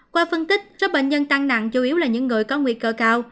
qua phân tích số bệnh nhân tăng nặng chủ yếu là những người có nguy cơ cao